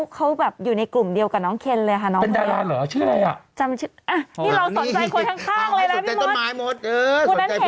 เขาก็อยู่ในแหวดวงอยู่ลองหาดู